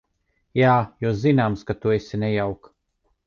Jā, jo zināms, ka tu esi nejauka.